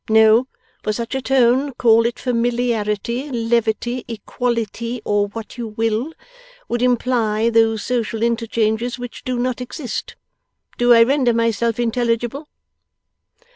No; for such a tone call it familiarity, levity, equality, or what you will would imply those social interchanges which do not exist. Do I render myself intelligible?